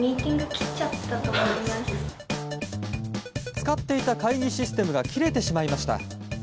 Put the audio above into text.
使っていた会議システムが切れてしまいました。